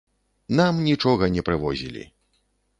Нам нічога не прывозілі.